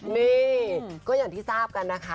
นี่ก็อย่างที่ทราบกันนะคะ